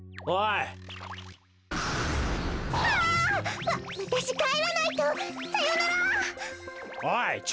おい！